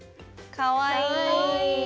かわいい。